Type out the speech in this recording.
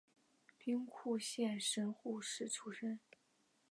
兵库县神户市出身。